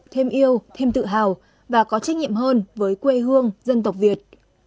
thêm yêu thêm tự hào và có trách nhiệm hơn với quê hương dân tộc việt